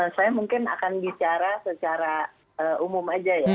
saya mungkin akan bicara secara umum aja ya